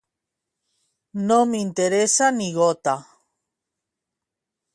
No m'interessa ni gota.